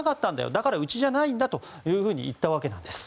だからうちじゃないんだというふうに言ったわけなんです。